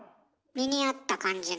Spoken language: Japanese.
身に合った感じの。